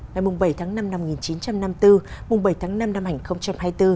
ngày bảy tháng năm năm một nghìn chín trăm năm mươi bốn bảy tháng năm năm hai nghìn hai mươi bốn